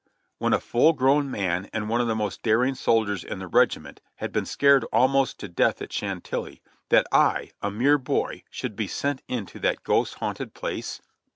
When a full grown man, and one of the most daring soldiers in the regiment, had been scared almost to death at Chantilly, that I, a mere boy, should be sent in to that ghost haunted place